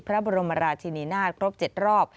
พระบรมราชินีนาฏครบ๗รอบ